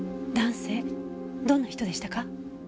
どんな人でしたか？